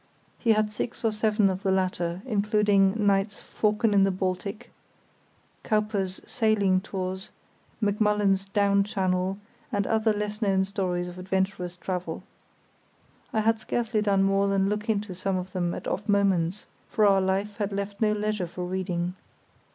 He had six or seven of the latter, including Knight's Falcon in the Baltic, Cowper's Sailing Tours, Macmullen's Down Channel, and other less known stories of adventurous travel. I had scarcely done more than look into some of them at off moments, for our life had left no leisure for reading.